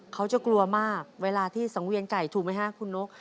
เขาจะกลัวมากเวลาที่สังเวียนไก่ถูกไหมฮะคุณนก